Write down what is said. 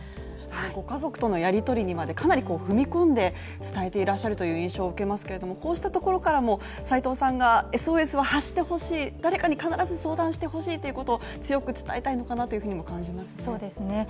ご家族とのやり取りにまで、かなり踏み込んで、伝えていらっしゃるという印象を受けますけれども、こうしたところからも斉藤さんがＳＯＳを発してほしい誰かに必ず相談してほしいということを強く伝えたいのかなというふうにも感じますね。